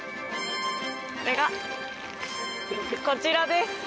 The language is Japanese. それがこちらです。